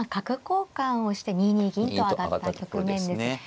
交換をして２二銀と上がった局面です。